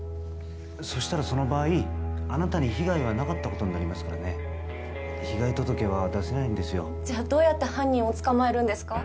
そしたらその場合あなたに被害はなかったことになりますからね被害届は出せないんですよじゃどうやって犯人を捕まえるんですか？